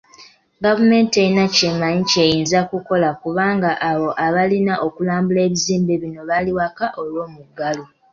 Gavumenti terina kyamaanyi ky'eyinza kukola kubanga abo abalina okulambula ebizimbe bino bali waka olw'omuggalo.